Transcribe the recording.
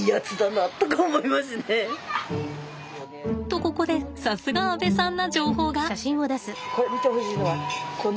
とここでさすが阿部さんな情報が。